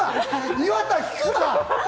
岩田、引くな！